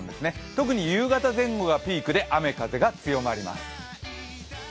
特に夕方前後がピークで雨・風が強まります。